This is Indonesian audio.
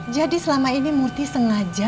jadi selama ini murti sengaja